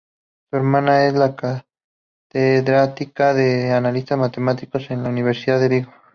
Su hermana es catedrática de Análisis Matemático en la Universidad de Vigo.